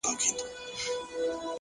خپل ژوند د مانا له رڼا ډک کړئ,